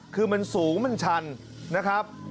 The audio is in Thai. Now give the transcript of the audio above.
คือมันสูงมันชันนะครับ